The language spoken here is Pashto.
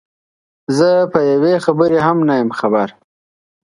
زه په یوې خبرې هم نه یم خبر.